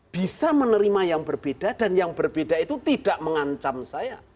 bisa menerima yang berbeda dan yang berbeda itu tidak mengancam saya